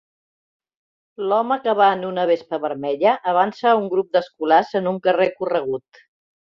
L'home que va en una vespa vermella avança a un grup d'escolars en un carrer corregut.